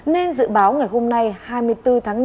nên dự báo ngày hôm nay hai mươi bốn tháng năm